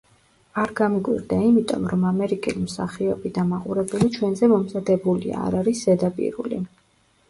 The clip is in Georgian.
არ გამიკვირდა იმიტომ, რომ ამერიკელი მსახიობი და მაყურებელი ჩვენზე მომზადებულია, არ არის ზედაპირული.